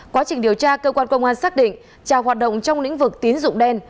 quá trình điều tra cơ quan công an xác định trà hoạt động trong lĩnh vực tín dụng đen